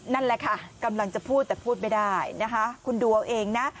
นั่นแหละค่ะกำลังจะพูดแต่พูดไม่ได้นะคะคุณดูเอาเองนะ